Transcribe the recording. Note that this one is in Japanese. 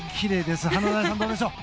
華大さん、どうでしょう？